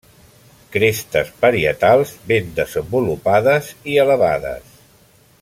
Crestes parietals ben desenvolupades i elevades.